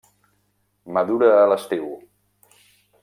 Madura a l'estiu.